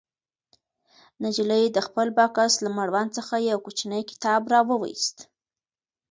نجلۍ د خپل بکس له مړوند څخه یو کوچنی کتاب راوویست.